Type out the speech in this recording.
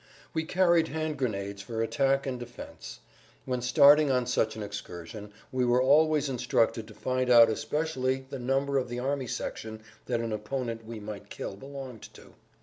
We carried hand grenades for attack and defense. When starting on such an excursion we were always instructed to find out especially the number of the army section that an opponent we might kill belonged to.